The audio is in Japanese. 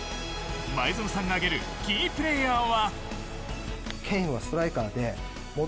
前園さんが挙げるキープレーヤーは。